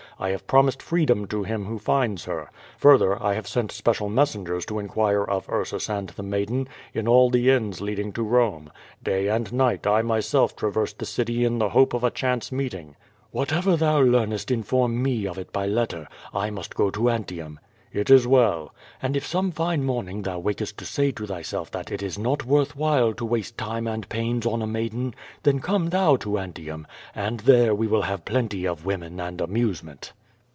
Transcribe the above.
I have promised freedom to him who finds her. Further, I have sent special messen gers to inquire of Ursus and the maiden, in all the inns lead ing to Rome. Day and night, I myself traverse the city in the hope of a chance meeting." "Whatever thou leamest inform me of it by letter. I must go to Antium/* "It is well/' "And if some fine morning thou wakest to say to thyself that it is not worth while to waste time and pains on a maid en, tlien come thou to Antium, and there we will have plenty of women and amusement."